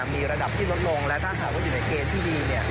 มีระดับที่ลดลงและถ้าหากว่าอยู่ในเกณฑ์ที่ดี